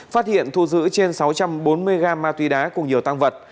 phát hiện thu giữ trên sáu trăm bốn mươi g ma túy đá cùng nhiều tăng vật